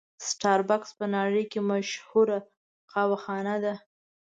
سټار بکس په نړۍ کې مشهوره قهوه خانه ده.